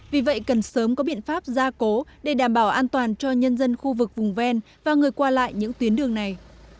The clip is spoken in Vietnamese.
vì vậy cần sớm có biện pháp gia cố để đảm bảo an toàn cho nhân dân khu vực vùng ven và người qua lại những tuyến đường này